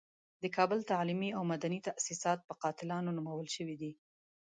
د کابل تعلیمي او مدني تاسیسات په قاتلانو نومول شوي دي.